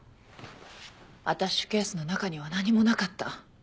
アタッシュケースの中には何もなかった。